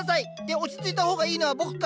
落ち着いた方がいいのは僕か。